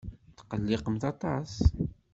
Tetqelliqemt aṭas.